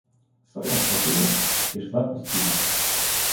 Соня схопилась, пішла по сінях.